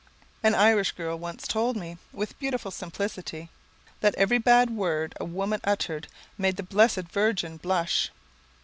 An Irish girl once told me, with beautiful simplicity, "that every bad word a woman uttered, made the blessed Virgin blush."